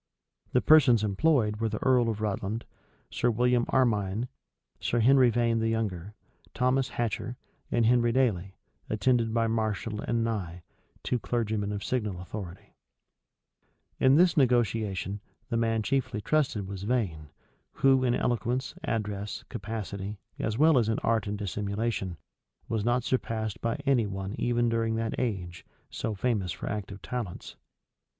The persons employed were the earl of Rutland, Sir William Armyne, Sir Henry Vane the younger, Thomas Hatcher, and Henry Dailey, attended by Marshall and Nye, two clergymen of signal authority.[] * Rush. vol. vi. p. 406. Whitlocke, p. 73. Rush. vol. vi. p. 466. Clarendon, vol. iii. p.300 In this negotiation, the man chiefly trusted was Vane, who, in eloquence, address, capacity, as well as in art and dissimulation, was not surpassed by any one even during that age, so famous for active talents.